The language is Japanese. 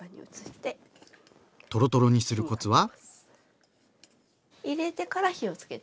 トロトロにするコツは？